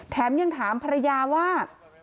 แถมยังถามภรรยาว่า